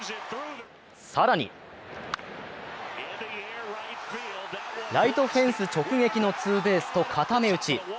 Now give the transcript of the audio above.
更にライトフェンス直撃のツーベースと固め打ち。